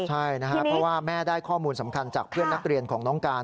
ใช่นะครับเพราะว่าแม่ได้ข้อมูลสำคัญจากเพื่อนนาฬิการ